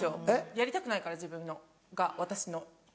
やりたくないから自分が私の。